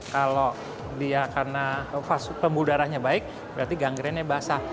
kalau dia karena pembuah udaranya baik berarti gangrennya basah